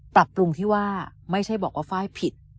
ปรับปรุงที่ว่าไม่ใช่บอกว่าไฟล์ผิด